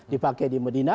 dipakai di medina